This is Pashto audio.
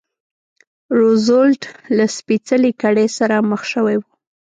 روزولټ له سپېڅلې کړۍ سره مخ شوی و.